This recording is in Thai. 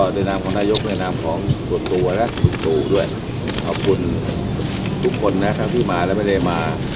ดินามของนายกดินามของตัวตัวด้วยขอบคุณทุกคนนะครับที่มาแล้วไม่ได้มา